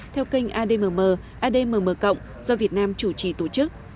theo kênh admm admm cộng do việt nam chủ trì tổ chức